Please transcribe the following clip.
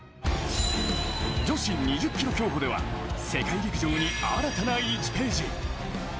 女子２０ｋｍ競歩では世界陸上に新たな１ページ。